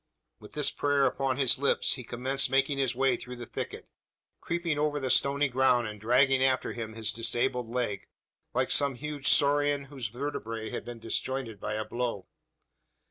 With this prayer upon his lips, he commenced making his way through the thicket creeping over the stony ground, and dragging after him his disabled leg, like some huge Saurian whose vertebrae have been disjointed by a blow!